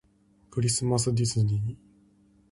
クリスマスディズニー